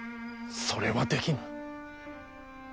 それはできぬ。